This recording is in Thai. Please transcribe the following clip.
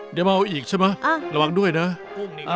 เดี๋ยวเมาอีกใช่ไหมระวังด้วยนะ